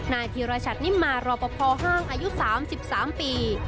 นายธีรชัตนิมมารอปภห้างอายุ๓๓ปี